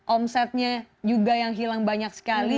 omsetnya juga yang hilang banyak sekali